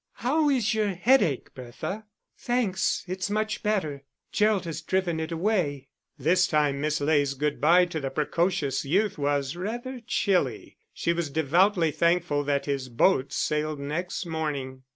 "How is your headache, Bertha?" "Thanks, it's much better. Gerald has driven it away." This time Miss Ley's good bye to the precocious youth was rather chilly; she was devoutly thankful that his boat sailed next morning.